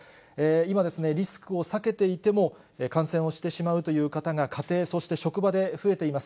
今、リスクを避けていても感染をしてしまうという方が家庭、そして職場で増えています。